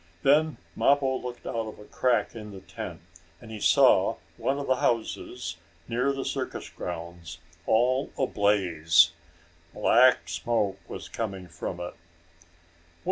Then Mappo looked out of a crack in the tent, and he saw one of the houses, near the circus grounds, all ablaze. Black smoke was coming from it.